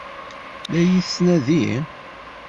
La iyi-tettnadi?